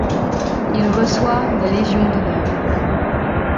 Il reçoit la Légion d'honneur.